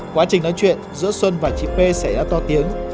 quá trình nói chuyện giữa xuân và chị p xảy ra to tiếng